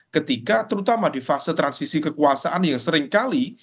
ketika terutama di fase transisi kekuasaan yang seringkali